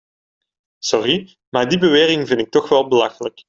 Sorry, maar die bewering vind ik toch wel belachelijk.